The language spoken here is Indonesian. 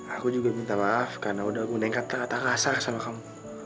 aku juga minta maaf karena udah guna yang kata kata rasar sama kamu